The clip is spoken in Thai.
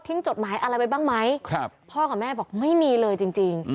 ทิ้งจดหมายอะไรไปบ้างไหมครับพ่อกับแม่บอกไม่มีเลยจริง